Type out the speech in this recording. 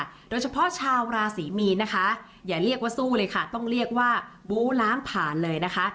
โดยเฉพาะชาวราศรีมีนนะคะอย่าเรียกว่าสู้เลยค่ะต้องเรียกว่าบู้ล้างผ่านเลยนะคะ